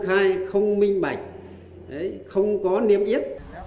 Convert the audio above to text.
ai không minh bạch không có niềm yếp